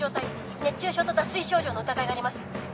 熱中症と脱水症状の疑いがあります